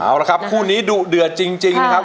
เอาละครับคู่นี้ดุเดือดจริงนะครับ